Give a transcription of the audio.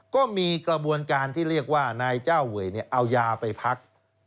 ก็มีกระบวนการที่เรียกว่านายเจ้าเวยเอายาไปพัก